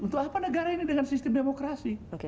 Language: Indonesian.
untuk apa negara ini dengan sistem demokrasi